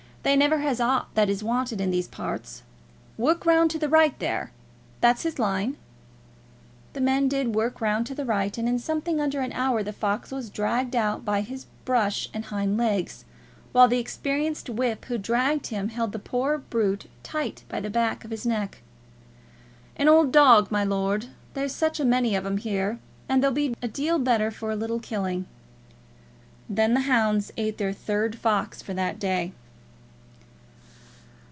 They never has aught that is wanted in these parts. Work round to the right, there; that's his line." The men did work round to the right, and in something under an hour the fox was dragged out by his brush and hind legs, while the experienced whip who dragged him held the poor brute tight by the back of his neck. "An old dog, my lord. There's such a many of 'em here, that they'll be a deal better for a little killing." Then the hounds ate their third fox for that day.